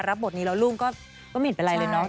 บทนี้แล้วลูกก็ไม่เห็นเป็นไรเลยเนาะ